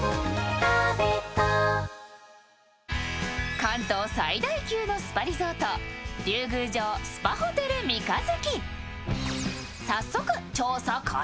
関東最大級のスパリゾート、龍宮城スパホテル三日月。